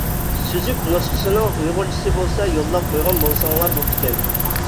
سۈزۈك نۇسخىسىنىڭ ئۇيغۇرچىسى بولسا يوللاپ قويغان بولساڭلار بوپتىكەن.